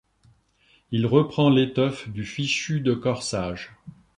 Il reprend l'étoffe du fichu de corsage.